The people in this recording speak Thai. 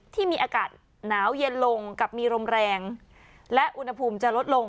ที่มีอากาศหนาวเย็นลงกับมีลมแรงและอุณหภูมิจะลดลง